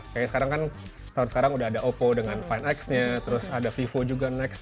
kayak sekarang kan tahun sekarang udah ada oppo dengan fine x nya terus ada vivo juga next